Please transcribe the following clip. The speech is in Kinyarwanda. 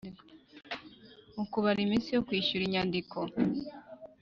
Mu kubara iminsi yo kwishyura inyandiko